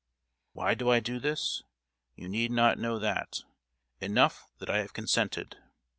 Why do I do this? You need not know that; enough that I have consented.